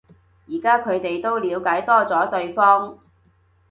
但而家佢哋都了解多咗對方